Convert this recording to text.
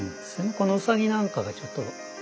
このウサギなんかがちょっと。